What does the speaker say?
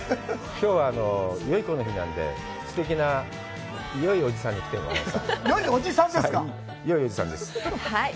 きょうは“よいこの日”なんで、すてきなよいおじさんに来てもらいます。